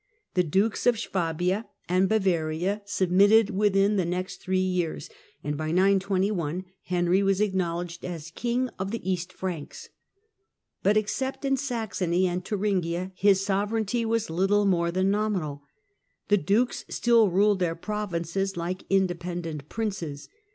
The dukes of Swabia and Bavaria submitted within the next three years, and by 921 Henry was acknowledged as " King of the East Franks." But, except in Saxony and Thuringia, his sovereignty was little more than nominal. The dukes still ruled their provinces like independent princes.